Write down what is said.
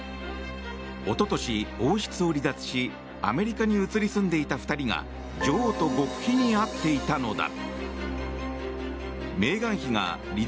一昨年、王室を離脱しアメリカに移り住んでいた２人が女王と極秘に会っていたのだ。